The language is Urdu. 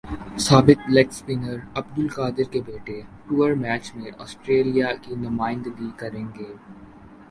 سابق لیگ اسپنر عبدالقادر کے بیٹے ٹورمیچ میں اسٹریلیا کی نمائندگی کریں گے